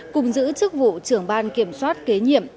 cùng giữ chức vụ trưởng ban kiểm soát kế nhiệm